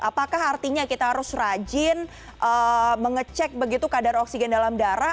apakah artinya kita harus rajin mengecek begitu kadar oksigen dalam darah